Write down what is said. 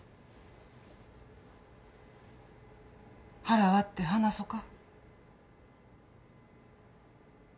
腹割って話そか。